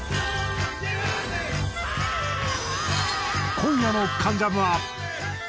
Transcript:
今夜の『関ジャム』は。